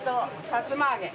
さつま揚げ。